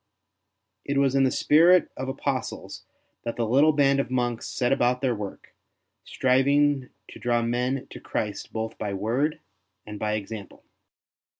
It was in the spirit of apostles that the little band of monks set about their work, striving to draw men to Christ both by word and by example.